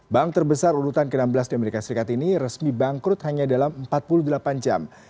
bank terbesar urutan ke enam belas di amerika serikat ini resmi bangkrut hanya dalam empat puluh delapan jam